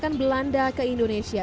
dalam pemerintah inggris ini